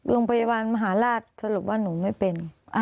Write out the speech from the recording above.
โรงพยาบาลมหาราชสรุปว่าหนูไม่เป็น